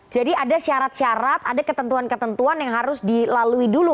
jadi ada syarat syarat ada ketentuan ketentuan yang harus dilalui dulu